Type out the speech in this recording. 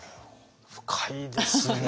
深いですね。